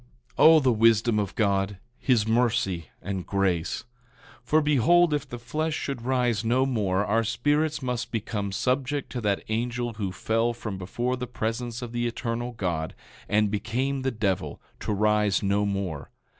9:8 O the wisdom of God, his mercy and grace! For behold, if the flesh should rise no more our spirits must become subject to that angel who fell from before the presence of the Eternal God, and became the devil, to rise no more.